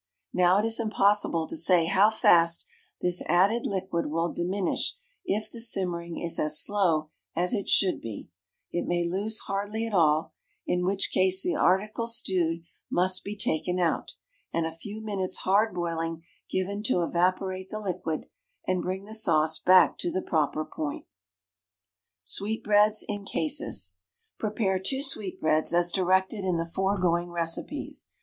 Now it is impossible to say how fast this added liquid will diminish if the simmering is as slow as it should be, it may lose hardly at all, in which case the articles stewed must be taken out, and a few minutes' hard boiling given to evaporate the liquid and bring the sauce back to the proper point. Sweetbreads in Cases. Prepare two sweetbreads as directed in the foregoing recipes.